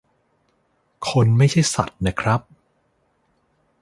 คนไม่ใช่สัตว์นะครับ